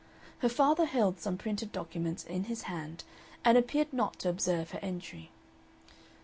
Her father held some printed document in his hand, and appeared not to observe her entry.